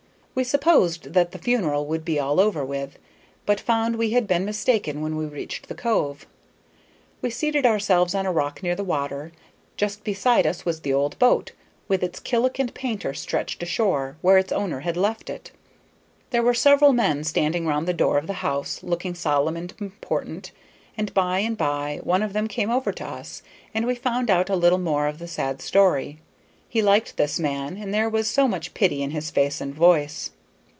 We supposed that the funeral would be all over with, but found we had been mistaken when we reached the cove. We seated ourselves on a rock near the water; just beside us was the old boat, with its killick and painter stretched ashore, where its owner had left it. There were several men standing around the door of the house, looking solemn and important, and by and by one of them came over to us, and we found out a little more of the sad story. We liked this man, there was so much pity in his face and voice.